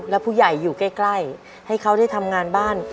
แล้วผู้ใหญ่อยู่ใกล้ให้เขาได้ทำงานบ้าน